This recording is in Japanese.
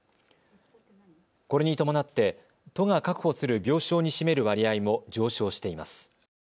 これに伴って都が確保する病床に占める割合も上昇しています。